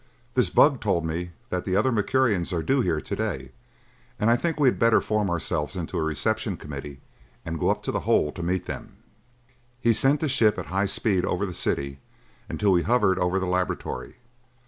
This bug told me that the other Mercurians are due here to day, and I think we had better form ourselves into a reception committee and go up to the hole to meet them." He sent the ship at high speed over the city until we hovered over the laboratory.